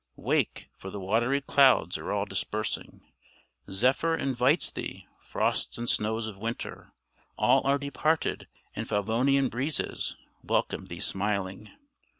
Wake! for the watery clouds are all dispersing; Zephyr invites thee. frosts and snows of winter All are departed, and Favonian breezes Welcome thee smiling.